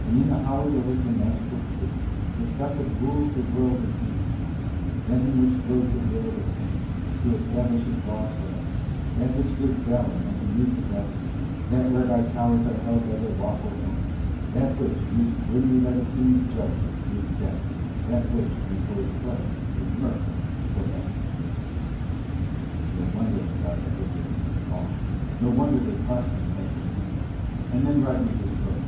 And in the hollow there was the magical fluid, the stuff that rules the world and hinders time; that in which flows the will of a king, to establish his laws for ever; that which gives valleys unto new possessors; that whereby towers are held by their lawful owners; that which, used grimly by the King's judge, is death; that which, when poets play, is mirth for ever and ever. No wonder la Garda looked at it in awe, no wonder they crossed themselves again: and then Rodriguez wrote.